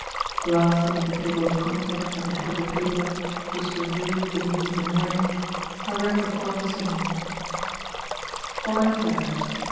Glancing at the table of contents at the head of the paper, which reviewed the news of the morning, I read the following summary: FOREIGN AFFAIRS.